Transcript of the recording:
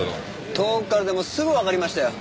遠くからでもすぐわかりましたよ。